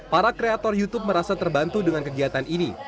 para kreator youtube merasa terbantu dengan kegiatan ini